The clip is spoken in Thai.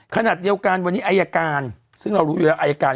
ขนาดเดียวกันวันนี้อายการซึ่งเรารู้เวลาอายการ